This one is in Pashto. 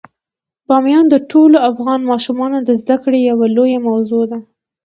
بامیان د ټولو افغان ماشومانو د زده کړې یوه لویه موضوع ده.